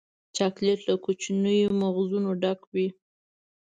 چاکلېټ له کوچنیو مغزونو ډک وي.